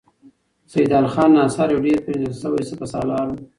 سیدال خان ناصر یو ډېر پیژندل شوی سپه سالار و.